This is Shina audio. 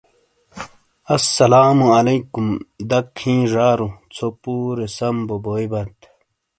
اسلام وعلیکم دَک ہِیں ژارو څھو پورے سَم بو بویئبات۔